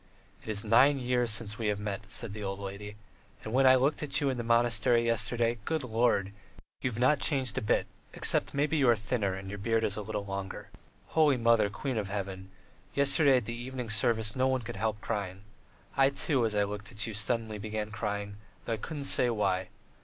"It is nine years since we have met," said the old lady. "And when I looked at you in the monastery yesterday, good Lord! you've not changed a bit, except maybe you are thinner and your beard is a little longer. Holy Mother, Queen of Heaven! Yesterday at the evening service no one could help crying. I, too, as I looked at you, suddenly began crying, though I couldn't say why.